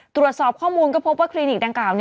ตรวจสอบข้อมูลก็พบว่าคลินิกดังกล่าว